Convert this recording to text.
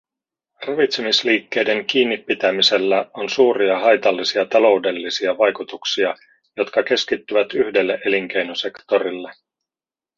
Ravitsemisliikkeiden kiinnipitämisellä on suuria haitallisia taloudellisia vaikutuksia, jotka keskittyvät yhdelle elinkeinosektorille.